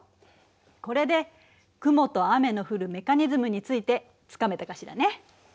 これで雲と雨の降るメカニズムについてつかめたかしらね。